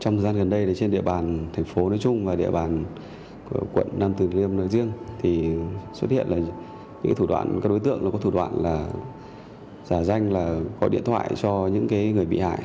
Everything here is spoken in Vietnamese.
trong thời gian gần đây trên địa bàn thành phố nói chung và địa bàn quận nam từ liêm nói riêng thì xuất hiện là những thủ đoạn các đối tượng có thủ đoạn là giả danh là gọi điện thoại cho những người bị hại